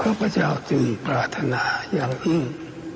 เพื่อพระเจ้าจึงปรารถนายังอิ่ง